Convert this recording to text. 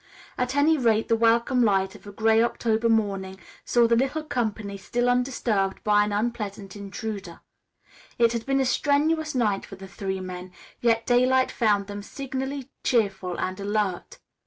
At any rate, the welcome light of a gray October morning saw the little company still undisturbed by any unpleasant intruder. It had been a strenuous night for the three men, yet daylight found them signally cheerful and alert.